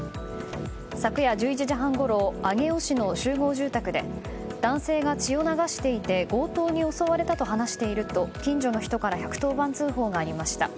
昨夜１１時半ごろ上尾市の集合住宅で男性が血を流していて強盗に襲われたと話していると近所の人から１１０番通報がありました。